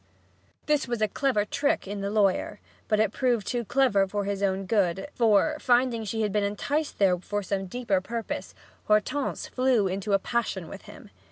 This was a clever trick in the lawyer, but it proved too clever for his own good, for, finding she had been enticed there for some deeper purpose, Hortense flew into a passion with him.